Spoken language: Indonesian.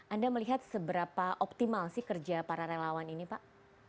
anda melihat seberapa optimal sih kerja para relawan ini pak